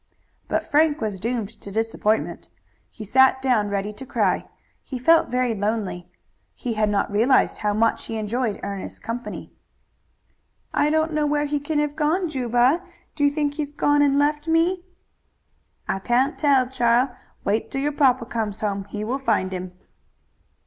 But Frank was doomed to disappointment. He sat down ready to cry. He felt very lonely. He had not realized how much he enjoyed Ernest's company. "I don't know where he can have gone, Juba. Do you think he's gone and left me?" "I can't tell, chile. Wait till your papa comes home. He will find him."